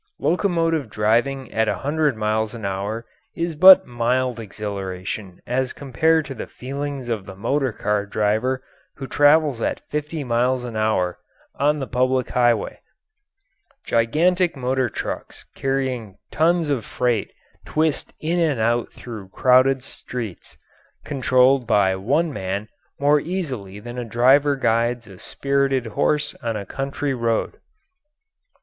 Locomotive driving at a hundred miles an hour is but mild exhilaration as compared to the feelings of the motor car driver who travels at fifty miles an hour on the public highway. Gigantic motor trucks carrying tons of freight twist in and out through crowded streets, controlled by one man more easily than a driver guides a spirited horse on a country road.